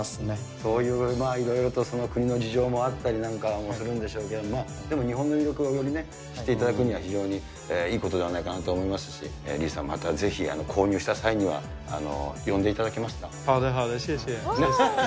そういうまあ、いろいろと国の事情もあったりなんかもするんでしょうけれども、でも日本の魅力をより知ってもらえるのは非常にいいことではないかなと思いますし、李さん、またぜひ、購入した際には、呼んでいただけますか？